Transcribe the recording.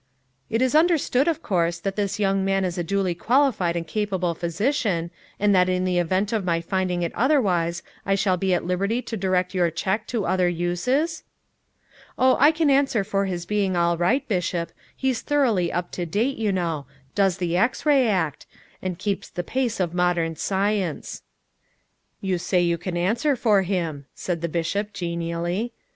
"It is understood, of course, that this young man is a duly qualified and capable physician, and that in the event of my finding it otherwise I shall be at liberty to direct your check to other uses?" "Oh, I can answer for his being all right, Bishop. He's thoroughly up to date, you know; does the X ray act; and keeps the pace of modern science." "You say you can answer for him," said the bishop genially.